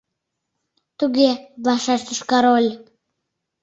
— Туге, — вашештыш король.